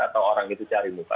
atau orang itu cari muka